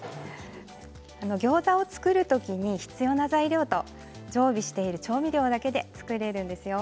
ギョーザを作るときに必要な材料と常備している調味料だけで作れます。